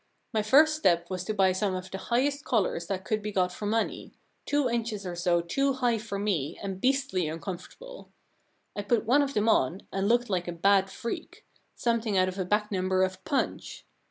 My first step was to buy some of the highest collars that could be got for money — two inches or so too high for me and beastly uncomfortable. I put one of them on, and looked like a bad freak — something out of a back number of Punch.